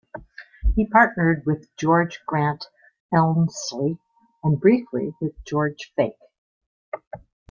He partnered with George Grant Elmslie, and briefly with George Feick.